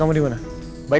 kau mau lihat kesana